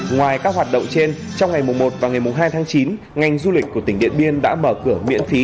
ngoài các hoạt động trên trong ngày một và ngày hai tháng chín ngành du lịch của tỉnh điện biên đã mở cửa miễn phí